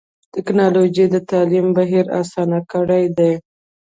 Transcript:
ټکنالوجي د تعلیم بهیر اسان کړی دی.